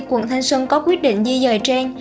quận thanh xuân có quyết định di dời trên